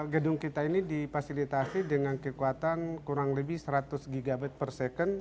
gedung kita ini dipasilitasi dengan kekuatan kurang lebih seratus gbps